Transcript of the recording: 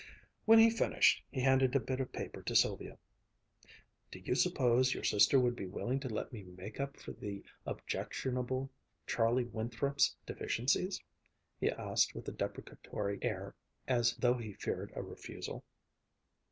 When he finished, he handed a bit of paper to Sylvia. "Do you suppose your sister would be willing to let me make up for the objectionable Charlie Winthrop's deficiences?" he asked with a deprecatory air as though he feared a refusal.